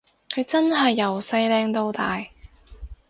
佢真係由細靚到大